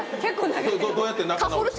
どうやって仲直りする？